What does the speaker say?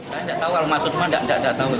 saya tidak tahu maksudnya tidak tahu